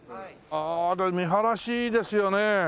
ああ見晴らしいいですよね。